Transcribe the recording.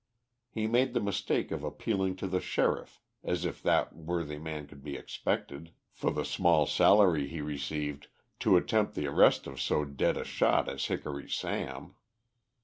He made the mistake of appealing to the Sheriff, as if that worthy man could be expected, for the small salary he received, to attempt the arrest of so dead a shot as Hickory Sam.